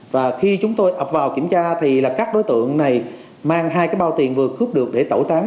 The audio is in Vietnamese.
và khi chúng tôi ập vào kiểm tra thì là các đối tượng này mang hai cái bao tiền vừa cướp được để tẩu tán